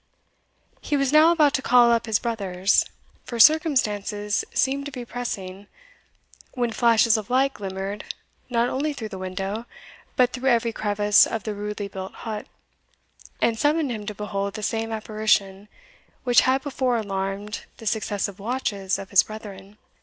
He was now about to call up his brothers, for circumstances seemed to be pressing, when flashes of light glimmered not only through the window, but through every crevice of the rudely built hut, and summoned him to behold the same apparition which had before alarmed the successive watches of his brethren.